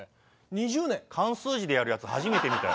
漢数字でやるやつ初めて見たよ。